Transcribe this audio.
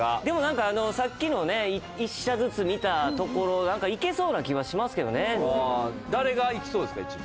でも何かさっきのね１射ずつ見たところいけそうな気はしますけどね誰がいきそうですか？